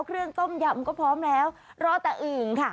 เครื่องต้มยำก็พร้อมแล้วรอแต่อึ่งค่ะ